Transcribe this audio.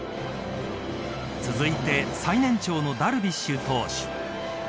続いて最年長のダルビッシュ投手